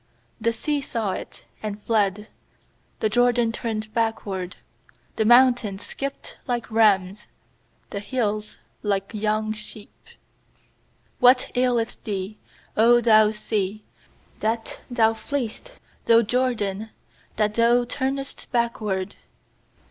3The sea saw it, and fled; The Jordan turned backward. 4The mountains skipped like rams, The hills like young sheep* 8What aileth thee, 0 thou sea, that thou fleest? Thou Jordan, that thou turnest backward?